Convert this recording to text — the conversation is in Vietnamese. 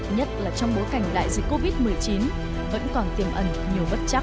nhất là trong bối cảnh đại dịch covid một mươi chín vẫn còn tiềm ẩn nhiều bất chắc